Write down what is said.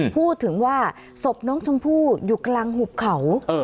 พูดถึงว่าศพน้องชมพู่อยู่กลางหุบเขา